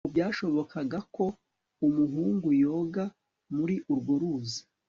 Ntabwo byashobokaga ko umuhungu yoga muri urwo ruzi